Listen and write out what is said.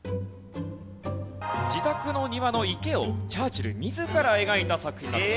自宅の庭の池をチャーチル自ら描いた作品なんですね。